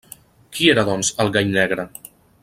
Qui era doncs el Gall Negre.